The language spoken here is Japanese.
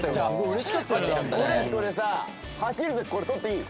俺たちこれさ走る時これ取っていい？